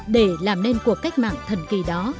để làm nên cuộc cách mạng thần kỳ đó